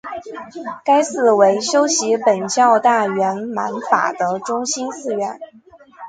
该寺为修习苯教大圆满法的中心寺院。